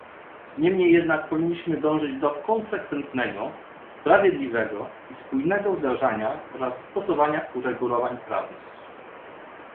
Niemniej jednak powinniśmy dążyć do konsekwentnego, sprawiedliwego i spójnego wdrażania oraz stosowania uregulowań prawnych